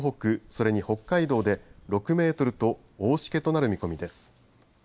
それに、北海道で６メートルと大しけとなる見込みです。